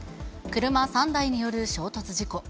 車３台による衝突事故。